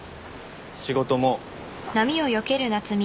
仕事も。